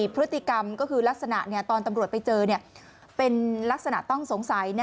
พฤติกรรมก็คือลักษณะตอนตำรวจไปเจอเป็นลักษณะต้องสงสัย